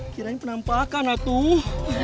kiranya penampakan lah tuh